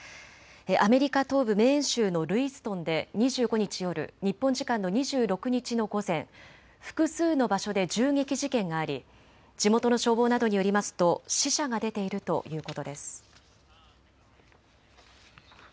アメリカ東部メーン州のルイストンで２５日夜、日本時間の２６日の午前、複数の場所で銃撃事件があり地元の消防などによりますと死者が出ているということです。